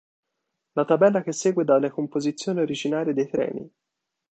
La tabella che segue dà le composizioni originarie dei treni.